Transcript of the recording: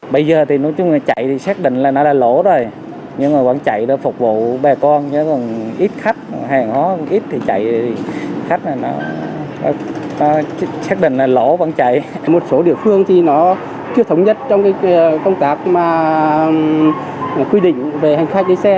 một số địa phương chưa thống nhất trong công tác quy định về hành khách đi xe